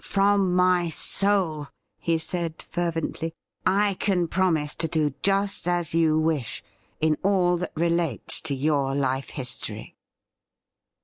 ' From my soul,' he said fervently. ' I can promise to do just as you wish in all that relates to your life history.'